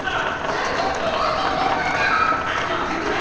ゾロたちがやってくれたんだ。